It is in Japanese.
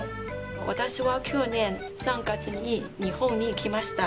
私は去年３月に日本に来ました。